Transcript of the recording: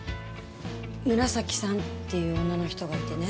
紫さんっていう女の人がいてね。